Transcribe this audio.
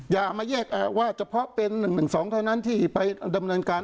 อย่ามาแยกว่าเฉพาะเป็น๑๑๒เท่านั้นที่ไปดำเนินการ